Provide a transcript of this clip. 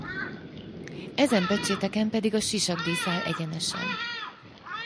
Ezen pecséteken pedig a sisakdísz áll egyenesen.